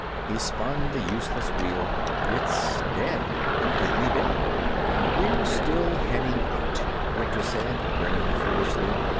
He spun the useless wheel. "It's dead, completely dead." "And we're still heading out," Winter said, grinning foolishly.